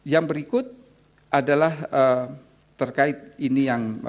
yang berikut adalah terkait ini yang